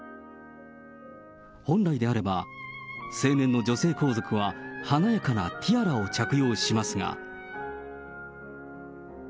本来であれば、成年の女性皇族は華やかなティアラを着用しますが。